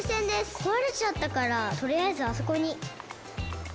こわれちゃったからとりあえずあそこに。